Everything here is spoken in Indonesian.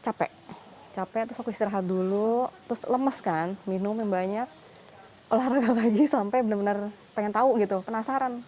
capek capek terus aku istirahat dulu terus lemes kan minum yang banyak olahraga lagi sampai benar benar pengen tahu gitu penasaran